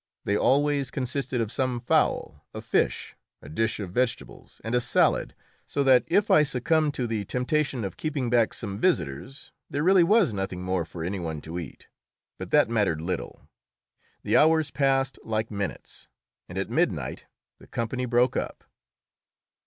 They always consisted of some fowl, a fish, a dish of vegetables, and a salad, so that if I succumbed to the temptation of keeping back some visitors there really was nothing more for any one to eat. But that mattered little; the hours passed like minutes, and at midnight the company broke up.